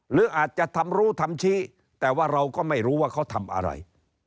หรืออาจจะทำรู้ทำชี้แต่ว่าเราก็ไม่รู้ว่าเขาทำอะไร